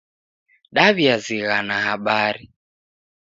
Daw'iazighana habari.